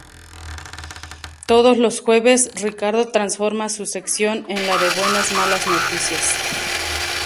Todos los jueves, Ricardo transforma su sección en la de "Buenas Malas Noticias".